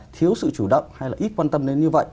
thiếu sự chủ động hay là ít quan tâm đến như vậy